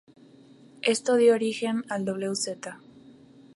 Esto dio origen al wz.